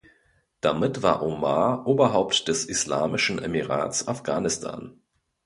Damit war Omar Oberhaupt des Islamischen Emirats Afghanistan.